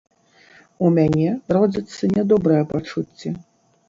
У мяне родзяцца нядобрыя пачуцці.